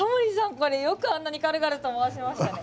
これよくあんなに軽々と回しましたね。